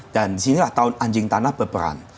dan disinilah tahun anjing tanah berperan